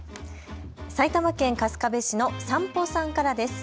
埼玉県春日部市の散歩さんからです。